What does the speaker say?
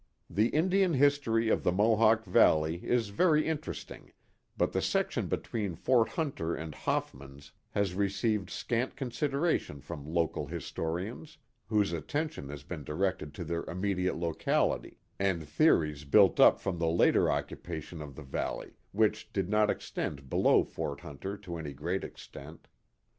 The Indian history of the Mohawk Valley is very interest ing; but the section between Fort Hunter and Hoffmans has received scant consideration from local historians, whose atten tion has been directed to their immediate locality, and theories Journal of Arent Van Curler Z7 built up from the later occupation of the valley, which did not extend below Fort Hunter to any great extent.